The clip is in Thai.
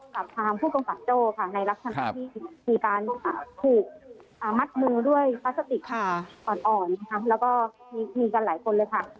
กับทางผู้กำกับโจ้ค่ะในลักษณะที่มีการถูกมัดมือด้วยพลาสติกอ่อนแล้วก็มีกันหลายคนเลยค่ะ